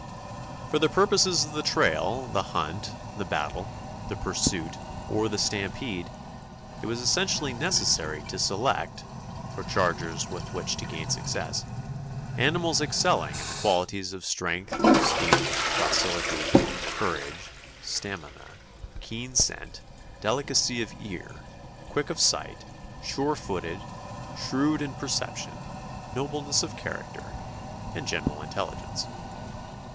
For the purposes of the trail, the hunt, the battle, the pursuit, or the stampede it was essentially necessary to select, for chargers with which to gain success, animals excelling in the qualities of strength, speed, docility, courage, stamina, keen scent, delicacy of ear, quick of sight, sure footed, shrewd in perception, nobleness of character, and general intelligence.